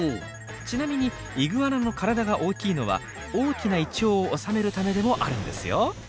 ちなみにイグアナの体が大きいのは大きな胃腸を収めるためでもあるんですよ。へえ。